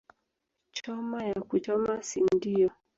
Choma ya kuchoma si ndio